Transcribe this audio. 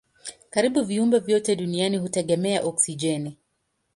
Karibu viumbe vyote duniani hutegemea oksijeni.